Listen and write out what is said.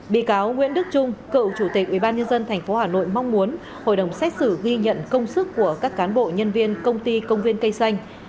bị cáo nguyễn đức trung cựu chủ tịch ubnd tp hà nội mong muốn hội đồng xét xử ghi nhận công sức của các cán bộ nhân viên công ty công viên cây xanh